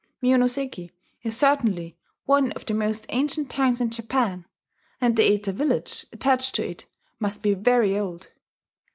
Mionoseki is certainly one of the most ancient towns in Japan; and the Eta village attached to it must be very old.